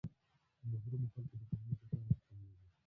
د محرومو خلکو د خدمت لپاره ستنېږي.